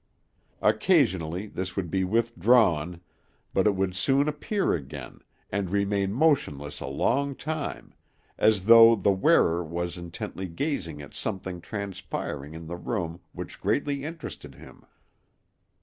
Occasionally this would be withdrawn, but it would soon appear again, and remain motionless a long time, as though the wearer was intently gazing at something transpiring in the room which greatly interested him.